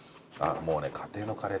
もうね家庭のカレーって感じ。